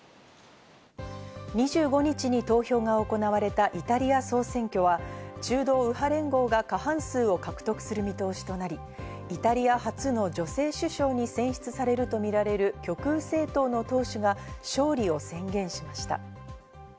２５日に投票が行われたイタリア総選挙は中道右派連合が過半数を獲得する見通しとなり、イタリア初の女性首相に選出されるとみられる極右政党の党首が勝利を宣言しました。